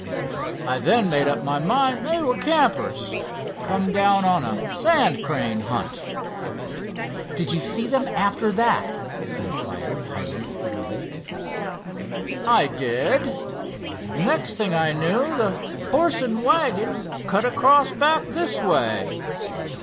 I then made up my mind they were campers, come down on a sand crane hunt." "Did you see them after that?" inquired Hiram eagerly. "I did. Next thing I knew, the horse and wagon cut across back this way.